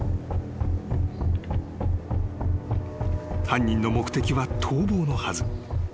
［犯人の目的は逃亡のはず］